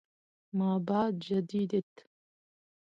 ما بعد جديديت